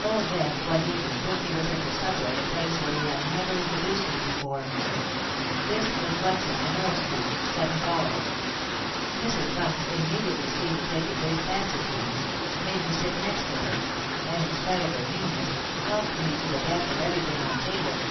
Old Death one evening took me with him to supper at a place where he had never introduced me before. This was Bunce's in Earl Street, Seven Dials. Mrs. Bunce immediately seemed to take a great fancy to me—made me sit next to her—and, in spite of her meanness, helped me to the best of every thing on table.